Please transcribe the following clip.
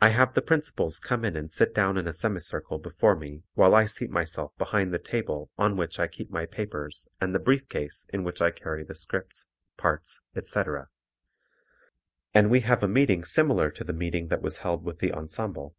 I have the principals come in and sit down in a semi circle before me while I seat myself behind the table on which I keep my papers and the brief case in which I carry the "scripts," parts, etc., and we have a meeting similar to the meeting that was held with the ensemble.